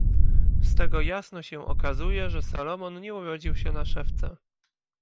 "Z tego jasno się okazuje, że Salomon nie urodził się na szewca."